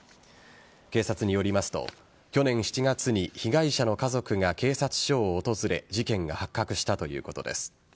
警察によりますと、去年７月に被害者の家族が警察署を訪れ事件が発覚したということです。